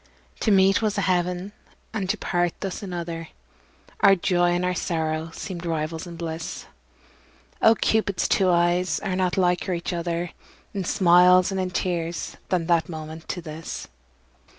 To meet was a heaven and to part thus another, Our joy and our sorrow seemed rivals in bliss; Oh! Cupid's two eyes are not liker each other In smiles and in tears than that moment to this.